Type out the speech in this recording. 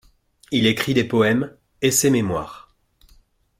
Il écrit des poèmes, et ses mémoires.